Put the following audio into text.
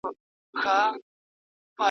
ویل خدای دي عوض درکړي ملاجانه ..